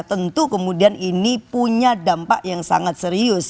tentu kemudian ini punya dampak yang sangat serius